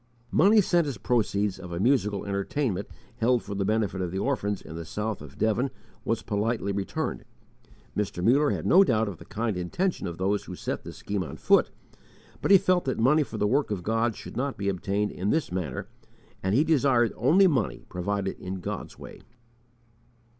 Money sent as proceeds of a musical entertainment held for the benefit of the orphans in the south of Devon was politely returned, Mr. Muller had no doubt of the kind intention of those who set this scheme on foot, but he felt that money for the work of God should not be obtained in this manner, and he desired only money provided in God's way.